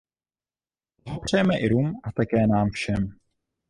Blahopřejeme Irům a také nám všem.